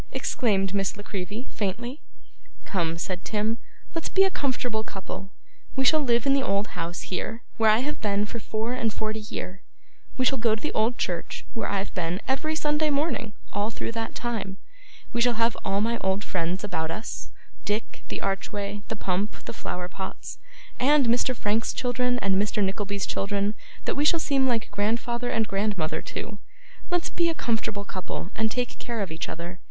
exclaimed Miss La Creevy, faintly. 'Come,' said Tim, 'let's be a comfortable couple. We shall live in the old house here, where I have been for four and forty year; we shall go to the old church, where I've been, every Sunday morning, all through that time; we shall have all my old friends about us Dick, the archway, the pump, the flower pots, and Mr. Frank's children, and Mr. Nickleby's children, that we shall seem like grandfather and grandmother to. Let's be a comfortable couple, and take care of each other!